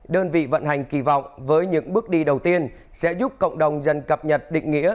đơn vị vận hành kỳ vọng với những bước đi đầu tiên sẽ giúp cộng đồng dân cập nhật định nghĩa